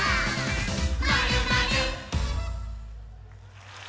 「まるまる」